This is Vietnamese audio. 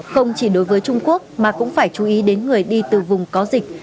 không chỉ đối với trung quốc mà cũng phải chú ý đến người đi từ vùng có dịch